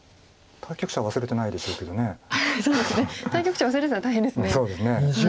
対局者忘れてたら大変ですね。